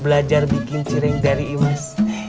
belajar bikin ciring dari imas